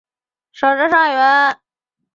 少詹事二员。